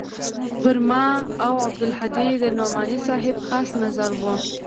پر ما او عبدالهادي د نعماني صاحب خاص نظر و.